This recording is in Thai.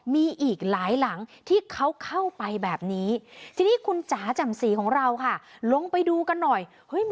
มีอีกหลายหลังที่เขาเข้าไปแบบนี้ทีนี้คุณจ๋าแจ่มสีของเราค่ะลงไปดูกันหน่อย